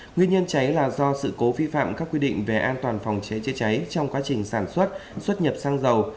nguyên nhân cháy là do sự cố vi phạm các quy định về an toàn phòng cháy chữa cháy trong quá trình sản xuất xuất nhập xăng dầu